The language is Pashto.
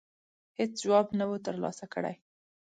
هېڅ جواب نه وو ترلاسه کړی.